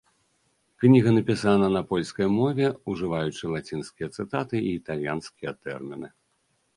Кніга напісана на польскай мове, ужываючы лацінскія цытаты і італьянскія тэрміны.